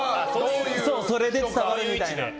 それで伝わるみたいな。